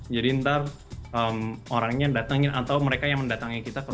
jadi ntar orangnya datangin atau mereka yang mendatangin kita ke rumah